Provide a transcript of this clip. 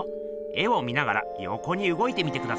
絵を見ながらよこにうごいてみてくださいよ。